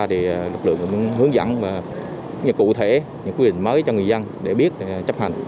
thì lực lượng cũng hướng dẫn cụ thể những quy định mới cho người dân để biết chấp hành